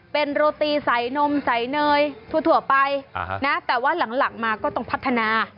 เป็นโรตีใส่นมใส่เนยทั่วไปแต่ว่าหลังมาก็ต้องพัฒนา